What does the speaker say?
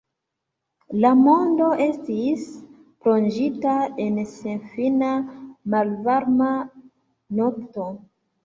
La mondo estis plonĝita en senfina malvarma nokto.